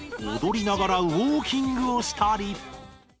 おどりながらウォーキングをしたり。